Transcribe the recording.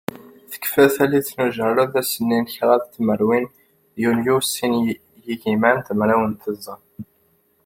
Tekfa tallit n ujerred, ass-nni n kraḍ tmerwin yunyu sin yigiman d mraw d tẓa.